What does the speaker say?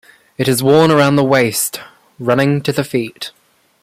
It is worn around the waist, running to the feet.